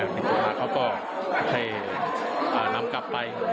ผิดตัวมาเขาก็ให้นำกลับไป